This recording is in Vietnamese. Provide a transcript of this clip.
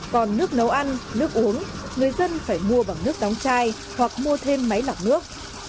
còn nước nấu ăn nước uống người dân phải mua bằng nước đóng chai hoặc mua thêm máy lọc nước